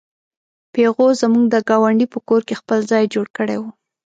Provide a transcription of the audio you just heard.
پيغو زموږ د ګاونډي په کور کې خپل ځای جوړ کړی و.